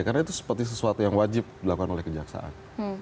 karena itu seperti sesuatu yang wajib dilakukan oleh kejaksaan